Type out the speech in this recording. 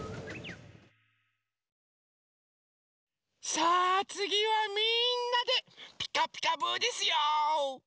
さあつぎはみんなで「ピカピカブ！」ですよ！